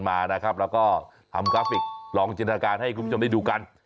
มานะครับแล้วก็ทำกราฟิกลองจินตนาการให้คุณผู้ชมได้ดูกัน